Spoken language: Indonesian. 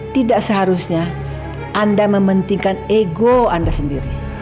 tidak seharusnya anda mementingkan ego anda sendiri